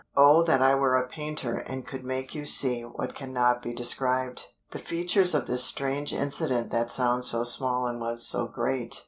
Oh that I were a painter and could make you see what cannot be described the features of this strange incident that sounds so small and was so great!